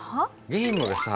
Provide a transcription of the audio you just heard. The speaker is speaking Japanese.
ゲームがさ